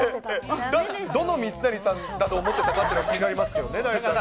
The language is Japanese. どの水谷さんだと思ってたかっていうのが気になりますけどね、なえちゃんが。